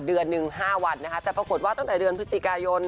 เดือนหนึ่ง๕วันนะคะแต่ปรากฏว่าตั้งแต่เดือนพฤศจิกายน